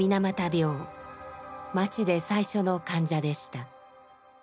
町で最初の患者でした。